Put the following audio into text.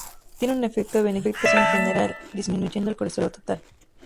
Tienen un efecto beneficioso en general, disminuyendo el colesterol total.